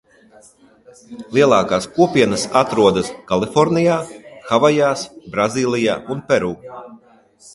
Lielākās kopienas atrodas Kalifornijā, Havajās, Brazīlijā un Peru.